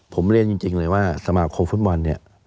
ผมเรียนจริงเลยว่าสมาคมฟุตบอลเนี่ย